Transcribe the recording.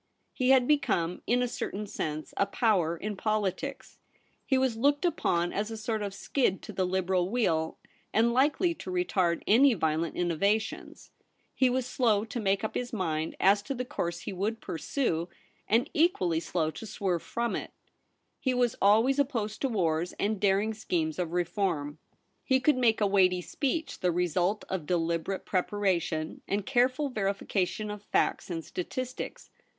He had become, in a certain sense, a power In politics. He was looked upon as a sort of skid to the Liberal wheel, and likely to retard any violent inno VOL. I. 14 2 10 THE REBEL ROSE. vatlons. He was slow to make up his mind as to the course he would pursue, and equally slow to swerve from it. He was always opposed to wars and daring schemes of re form. He could make a weighty speech, the result of deliberate preparation and careful verification of facts and statistics.